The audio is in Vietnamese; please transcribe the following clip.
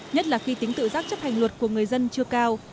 nhất là khi tính tự giác chấp hành luật của người dân chưa cao